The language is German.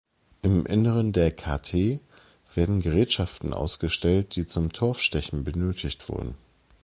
Im Inneren der Kate werden Gerätschaften ausgestellt, die zum Torfstechen benötigt wurden.